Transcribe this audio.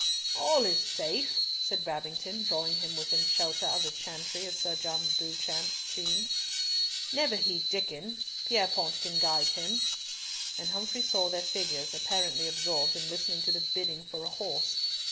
"All is safe," said Babington, drawing him within shelter of the chantry of Sir John Beauchamp's tomb. "Never heed Diccon—Pierrepoint can guide him," and Humfrey saw their figures, apparently absorbed in listening to the bidding for a horse.